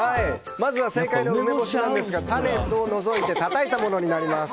まずは政界の梅干しなんですが種を除いてたたいたものになります。